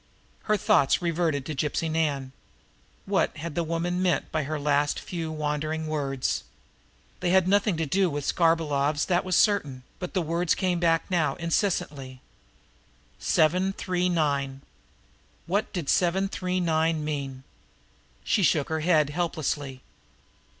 Her thoughts reverted to Gypsy Nan. What had the woman meant by her last few wandering words? They had nothing to do with Skarbolov's, that was certain; but the words came back now insistently. "Seven three nine." What did "seven three nine" mean? She shook her head helplessly.